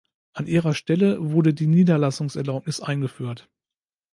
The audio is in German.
An ihrer Stelle wurde die Niederlassungserlaubnis eingeführt.